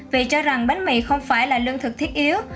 vì cho rằng bánh mì không phải là lương thực thiết yếu